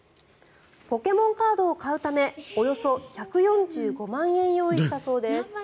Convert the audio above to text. ポケモンカードを買うためおよそ１４５万円用意したそうです。